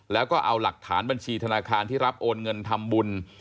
แล้วก็เอาหลักฐานบัญชีธนาคารที่รับโอนเงินทำบุญ